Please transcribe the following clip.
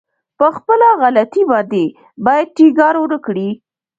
په خپله غلطي باندې بايد ټينګار ونه کړي.